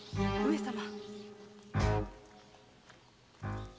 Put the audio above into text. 上様！